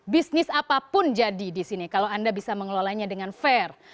bisnis apapun jadi di sini kalau anda bisa mengelolanya dengan fair